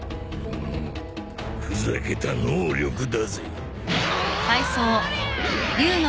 ふざけた能力だぜ。